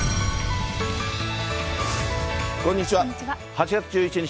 ８月１１日